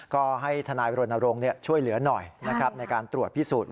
ก็ให้ทนายโรนโรงช่วยเหลือหน่อยในการตรวจพิสูจน์